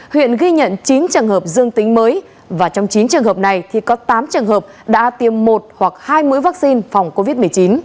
huyện ghi nhận chín trường hợp dương tính mới và trong chín trường hợp này thì có tám trường hợp đã tiêm một hoặc hai mươi vaccine phòng covid một mươi chín